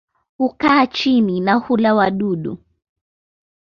Hukaa chini na hula wadudu.